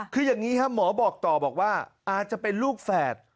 คืออย่างนี้ครับหมอบอกต่อบอกว่าอาจจะเป็นลูกแฝด